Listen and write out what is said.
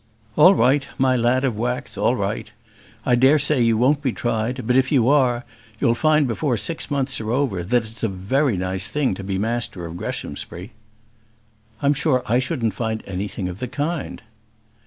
"All right, my lad of wax, all right. I dare say you won't be tried; but if you are, you'll find before six months are over, that it's a very nice thing to master of Greshamsbury." "I'm sure I shouldn't find anything of the kind."